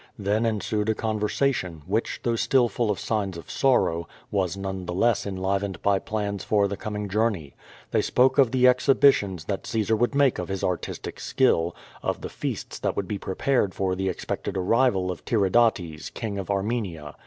Then ensued a conversation, which though still full of signs of sorrow, was none the less enliven ed by plans for the coming journey. They spoke of the ex hibitions that Caesar would make of his artistic skill, of the feasts that would be prepared for the expected arrival of Tiri dates. King of Armenia.